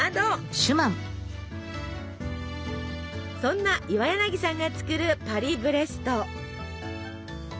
そんな岩柳さんが作るパリブレスト。